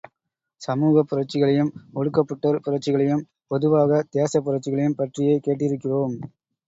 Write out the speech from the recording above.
சமூகப் புரட்சிகளையும், ஒடுக்கப்பட்டோர் புரட்சிகளையும், பொதுவாகத் தேசப்புரட்சிகளையும் பற்றியே கேட்டிருக்கிறோம்.